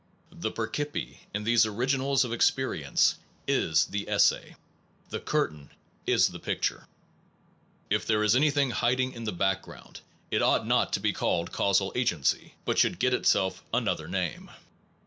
The per dpi in these originals of experience is the esse; the curtain is the picture. If there is anything hiding in the background, it ought not to be called causal agency, but should get itself an other name.